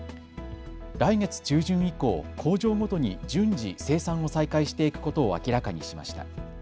来月中旬以降、工場ごとに順次、生産を再開していくことを明らかにしました。